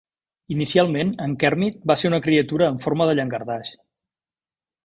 Inicialment, en Kermit va ser una criatura amb forma de llangardaix.